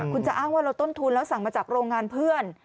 คุณจะอ้างว่าเราต้นทุนแล้วสั่งมาจากโรงงานเพื่อน